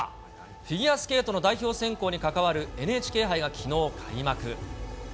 フィギュアスケートの代表選考に関わるＮＨＫ杯がきのう開幕。